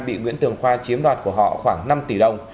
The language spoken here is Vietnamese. bị nguyễn tường khoa chiếm đoạt của họ khoảng năm tỷ đồng